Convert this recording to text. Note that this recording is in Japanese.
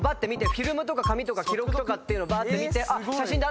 フィルムとか紙とか記録とかっていうのばーって見て写真だ。